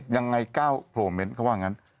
ยังไงเก้าโบร์เม้นท์เขาว่าอย่างนั้น